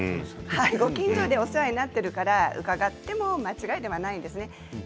ご近所のお世話になっているから伺っても間違いではないんですね。